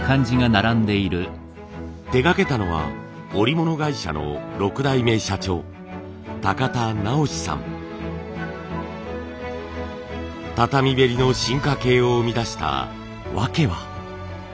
手がけたのは織物会社の６代目社長畳べりの進化形を生み出した訳は。